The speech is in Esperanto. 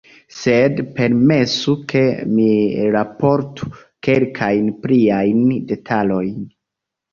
Sed permesu ke mi raportu kelkajn pliajn detalojn.